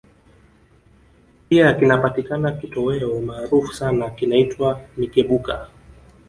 Pia kinapatikana kitoweo maarufu sana kinaitwa Migebuka